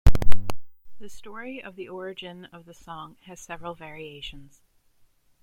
The story of the origin of the song has several variations.